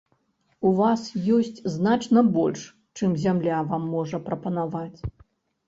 У вас ёсць значна больш, чым зямля вам можа прапанаваць.